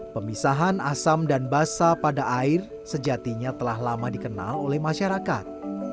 pemisahan asam dan basah pada air sejatinya telah lama dikenal oleh masyarakat